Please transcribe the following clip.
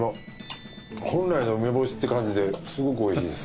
本来の梅干しって感じですごくおいしいです。